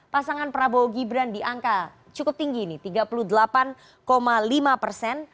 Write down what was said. pasangan prabowo gibran di angka cukup tinggi ini tiga puluh delapan lima persen